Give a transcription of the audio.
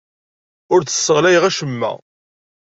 Ur d-sseɣlayeɣ acemma.